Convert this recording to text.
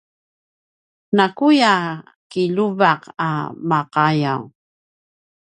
nakuya kiljuvaq a maqayaw